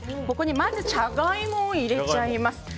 まずジャガイモを入れちゃいます。